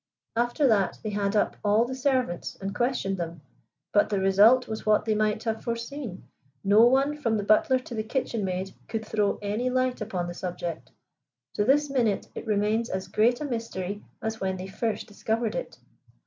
After that they had up all the servants and questioned them, but the result was what they might have foreseen, no one from the butler to the kitchen maid could throw any light upon the subject. To this minute it remains as great a mystery as when they first discovered it."